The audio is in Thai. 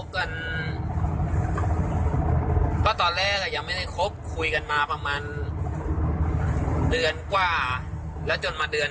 เขาเรียกตั้งผมล้านหนึ่ง